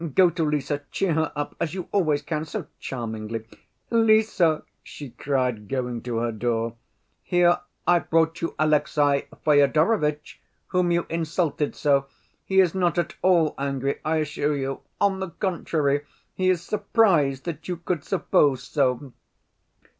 Go to Lise, cheer her up, as you always can so charmingly. Lise," she cried, going to her door, "here I've brought you Alexey Fyodorovitch, whom you insulted so. He is not at all angry, I assure you; on the contrary, he is surprised that you could suppose so."